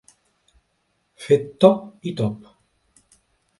Fer top i top.